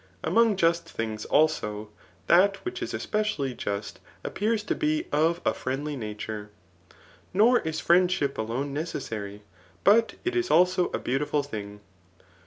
Among just things, also, that which is especially just, appears to be of a friendly nature. Nor is friendship alone necessary, but it is also a beautiful thing.